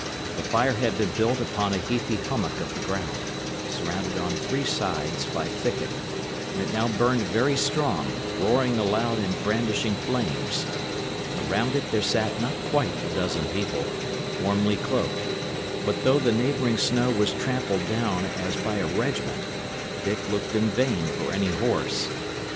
The fire had been built upon a heathy hummock of the ground, surrounded on three sides by thicket, and it now burned very strong, roaring aloud and brandishing flames. Around it there sat not quite a dozen people, warmly cloaked; but though the neighbouring snow was trampled down as by a regiment, Dick looked in vain for any horse.